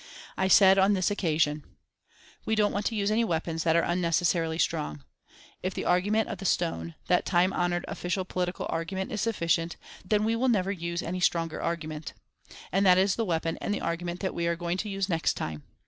I said on this occasion: "We don't want to use any weapons that are unnecessarily strong. If the argument of the stone, that time honoured official political argument, is sufficient, then we will never use any stronger argument. And that is the weapon and the argument that we are going to use next time.